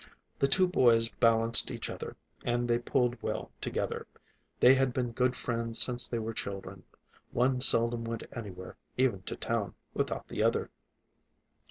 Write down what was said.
The two boys balanced each other, and they pulled well together. They had been good friends since they were children. One seldom went anywhere, even to town, without the other.